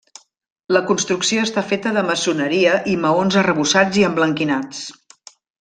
La construcció està feta de maçoneria i maons arrebossats i emblanquinats.